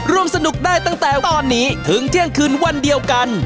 ร่วมสนุกได้ตั้งแต่ตอนนี้ถึงเที่ยงคืนวันเดียวกัน